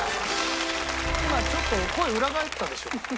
今ちょっと声裏返ったでしょ？